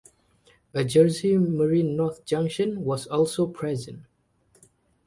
A Jersey Marine North Junction was also present.